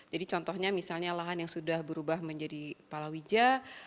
jadi contohnya misalnya lahan yang sudah berubah menjadi palawija